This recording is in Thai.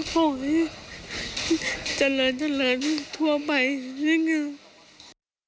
ขอให้เจริญเจริญทั่วไปนะครับ